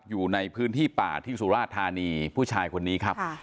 อยู่ในพื้นที่ป่าที่สุราชธานีผู้ชายคนนี้ครับ